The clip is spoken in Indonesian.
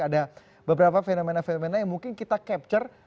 ada beberapa fenomena fenomena yang mungkin kita capture